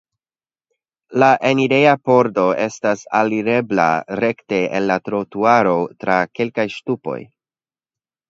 La enireja pordo estas alirebla rekte el la trotuaro tra kelkaj ŝtupoj.